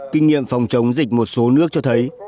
kinh nghiệm phòng chống dịch một số nước cho thấy